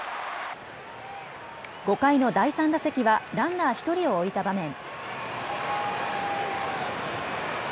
５回の第３打席はランナー１人を置いた場面。